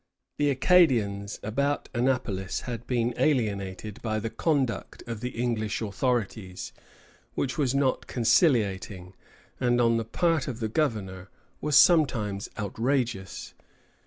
The Acadians about Annapolis had been alienated by the conduct of the English authorities, which was not conciliating, and on the part of the governor was sometimes outrageous.